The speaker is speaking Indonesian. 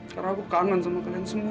karena aku kanan sama kalian semua